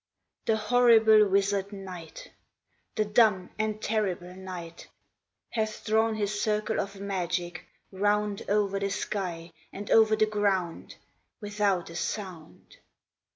the horrible wizard Night! The dumb and terrible Night Hath drawn his circle of magic, round Over the sky, and over the ground, Without a sound.